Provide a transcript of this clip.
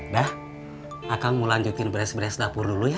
dah akang mau lanjutin beres beres dapur dulu ya